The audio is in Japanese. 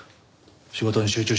仕事に集中しろ。